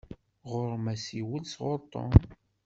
Ɣuṛ-m asiwel sɣuṛ Tom.